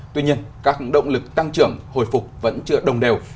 tuy nhiên các động lực tăng trưởng hồi phục vẫn chưa đồng đều